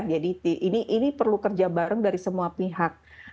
jadi ini perlu kerja bareng dari semua pihak